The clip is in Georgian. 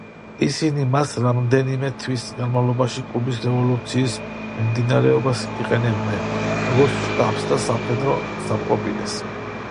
ისინი მას რამდენიმე თვის განმავლობაში, კუბის რევოლუციის მიმდინარეობისას, იყენებდნენ როგორც შტაბს და სამხედრო საპყრობილეს.